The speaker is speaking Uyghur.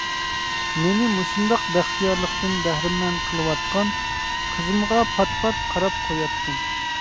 مېنى مۇشۇنداق بەختىيارلىقتىن بەھرىمەن قىلىۋاتقان قىزىمغا پات-پات قاراپ قوياتتىم.